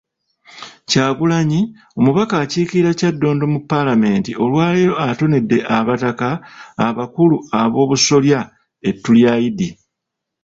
Kyagulanyi, omubaka akiikirira Kyaddondo mu Paalamenti olwaleero atonedde abataka abakulu ab'obusolya ettu lya Eid.